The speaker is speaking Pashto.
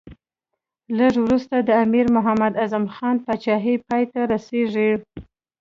لږ وروسته د امیر محمد اعظم خان پاچهي پای ته رسېږي.